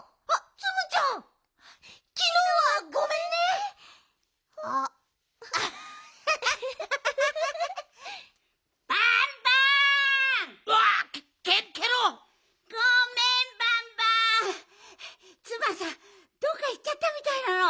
ツバンさんどっかいっちゃったみたいなの。